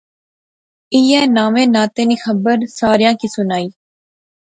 ایہہ ناوے ناطے نی خبر ساریاں کی سنائی